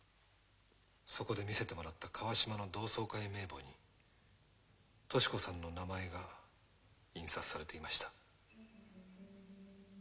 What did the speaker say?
そこで見せてもらった川島の同窓会名簿に敏子さんの名前が印刷されていました。